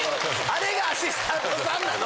あれがアシスタントさんなの。